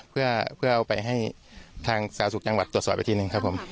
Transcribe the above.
เพื่อเอาไปให้ทางสาธารณสุขจังหวัดตรวจสอบไปทีหนึ่งครับผม